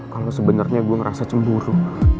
kalo sebenernya gua ngerasa cemburu